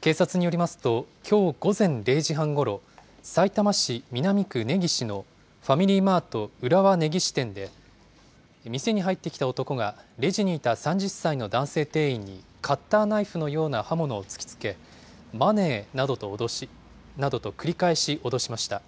警察によりますと、きょう午前０時半ごろ、さいたま市南区根岸のファミリーマート浦和根岸店で、店に入ってきた男が、レジにいた３０歳の男性店員にカッターナイフのような刃物を突きつけ、マネーなどと繰り返し脅しました。